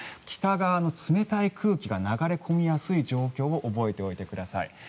北側の冷たい空気が流れ込みやすい状況を覚えておいてください。